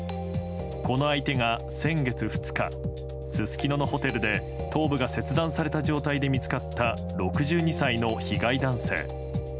この相手が先月２日すすきののホテルで、頭部が切断された状態で見つかった６２歳の被害男性。